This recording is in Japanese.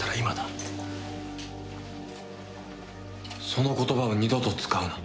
その言葉を二度と使うな。